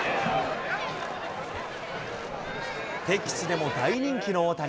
敵地でも大人気の大谷。